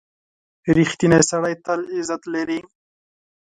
• رښتینی سړی تل عزت لري.